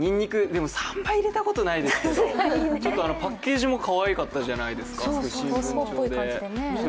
３倍入れたことないですけど、パッケージもかわいかったじゃないですか。